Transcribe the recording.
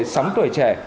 sống tuổi trẻ